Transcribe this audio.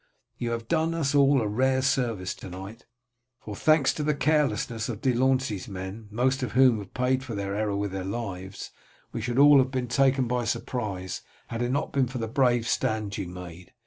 You have done us all a rare service to night, for thanks to the carelessness of De Launey's men, most of whom have paid for their error with their lives, we should all have been taken by surprise had it not been for the brave stand you made.